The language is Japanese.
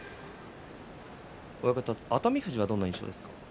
親方、熱海富士はどんな印象ですか？